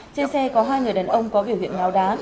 trên xe có hai người đàn ông có bỉ huyện ngáo đá